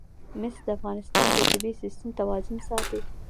مس د افغانستان د طبعي سیسټم توازن ساتي.